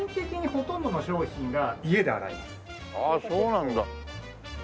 ああそうなんだ。